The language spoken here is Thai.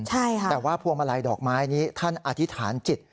แต่ว่าพวงมาลัยดอกไม้นี้ท่านอธิษฐานจิต